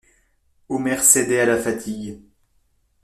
Omer cédait à la fatigue.